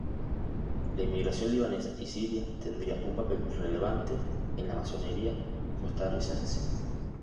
La inmigración libanesa y siria tendría un papel relevante en la Masonería costarricense.